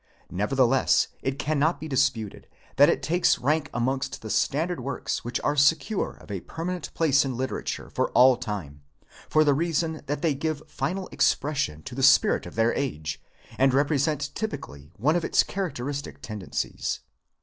Nevertheless, it cannot be disputed that it takes rank amongst the standard works which are secure of a permanent place in literature for all time, for the reason that they give final expression to the spirit of their age, and represent typically one of its characteristic tendencies.